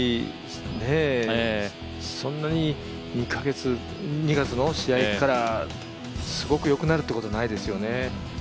そんなに２月の試合からすごく良くなるってことはないですよね。